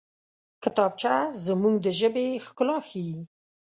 کتابچه زموږ د ژبې ښکلا ښيي